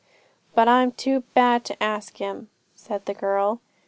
'But I'm too bad to ask Him,' said the girl.